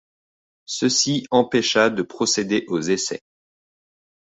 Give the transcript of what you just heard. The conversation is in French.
Ceci empêcha de procéder aux essais.